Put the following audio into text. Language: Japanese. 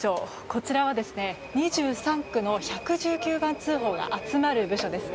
こちらは２３区の１１９番通報が集まる部署です。